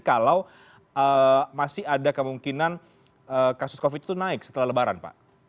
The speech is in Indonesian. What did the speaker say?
kalau masih ada kemungkinan kasus covid itu naik setelah lebaran pak